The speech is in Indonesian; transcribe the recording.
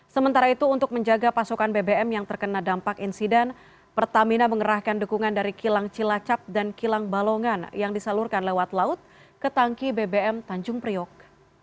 sementara itu untuk menjaga pasokan bbm yang terkena dampak insiden pertamina mengerahkan dukungan dari kilang cilacap dan kilang balongan yang disalurkan lewat laut ke tangki bbm tanjung priok